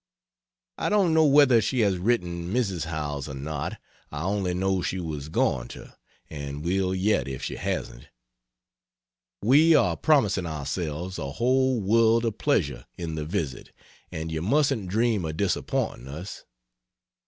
I don't know whether she has written Mrs. Howells or not I only know she was going to and will yet, if she hasn't. We are promising ourselves a whole world of pleasure in the visit, and you mustn't dream of disappointing us.